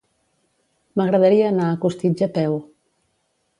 M'agradaria anar a Costitx a peu.